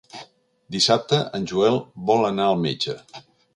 Dissabte en Joel vol anar al metge.